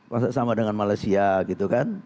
masa sama dengan malaysia gitu kan